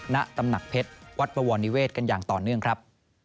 ณตำหนักเพชรวัดบวรนิเวศกันอย่างต่อเนื่องครับ